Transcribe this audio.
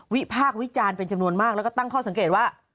พากษ์วิจารณ์เป็นจำนวนมากแล้วก็ตั้งข้อสังเกตว่า